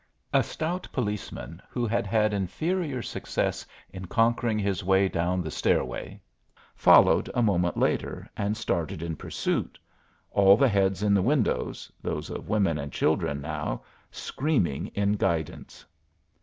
A stout policeman, who had had inferior success in conquering his way down the stairway, followed a moment later and started in pursuit, all the heads in the windows those of women and children now screaming in guidance.